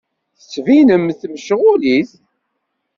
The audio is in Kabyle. Ttettbinemt-d mecɣulit.